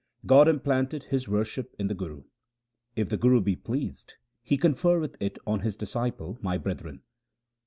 God implanted His worship in the Guru ; If the Guru be pleased, he conferreth it on his disciple, my brethren.